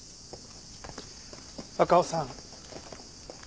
若尾さん。